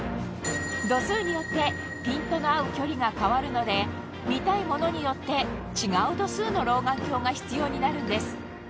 度数によってピントの合う距離が変わるので見たいものによって違う度数の老眼鏡が必要になるんです